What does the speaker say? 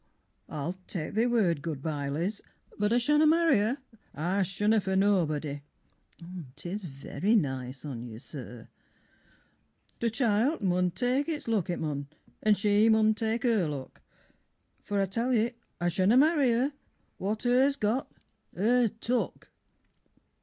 I'll ta'e thy word 'Good bye,' Liz, But I shonna marry her, I shonna for nobody. It is Very nice on you, Sir. The childt maun ta'e its luck, it maun, An' she maun ta'e her luck, For I tell ye I shonna marry her What her's got, her took.